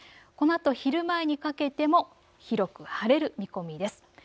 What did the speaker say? このあと昼前にかけても広く晴れる見込みです。